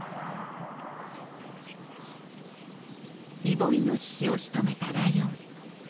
イボイノシシをしとめたライオン。